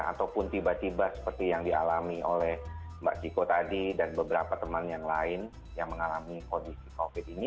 ataupun tiba tiba seperti yang dialami oleh mbak siko tadi dan beberapa teman yang lain yang mengalami kondisi covid ini